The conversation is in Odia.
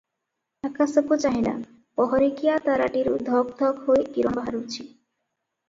ଆକାଶକୁ ଚାହିଁଲା, ପହରିକିଆ ତାରାଟିରୁ ଧକ ଧକ ହୋଇ କିରଣ ବାହାରୁଛି ।